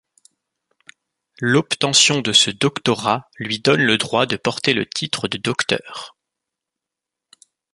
L’obtention de ce doctorat lui donne le droit de porter le titre de Dr.